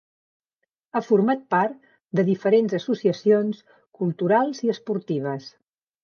Ha format part de diferents associacions culturals i esportives.